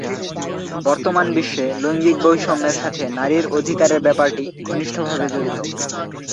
বর্তমান বিশ্বে লৈঙ্গিক বৈষম্যের সাথে নারীর অধিকারের ব্যাপারটি ঘনিষ্ঠভাবে জড়িত।